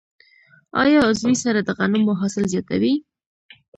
آیا عضوي سره د غنمو حاصل زیاتوي؟